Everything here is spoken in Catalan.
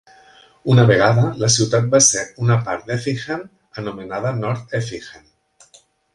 Una vegada, la ciutat va ser una part d'Effingham anomenada "North Effingham".